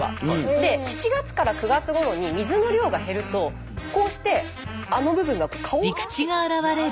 で７月から９月ごろに水の量が減るとこうしてあの部分が顔を出してくる。